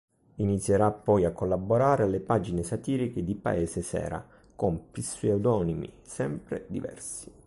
Inizierà poi a collaborare alle pagine satiriche di "Paese Sera" con pseudonimi sempre diversi.